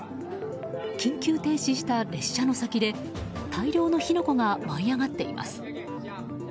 緊急停止した列車の先で大量の火の粉が舞い上がっています。